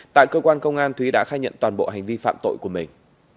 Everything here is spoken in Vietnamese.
tại cơ quan công an thúy đã khai nhận toàn bộ hành vi phạm tội của mình